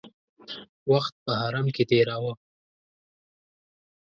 وخت په حرم کې تېراوه.